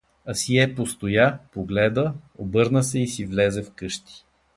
Асие постоя, погледа, обърна се и си влезе в къщи.